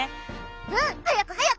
うん！早く早く。